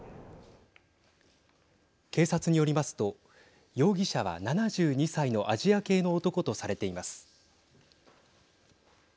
警察によりますと容疑者は７２歳のアジア系の男とされています。